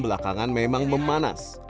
belakangan memang memanas